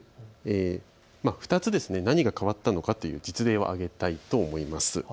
２つ何が変わったのかという実例を挙げたいと思います。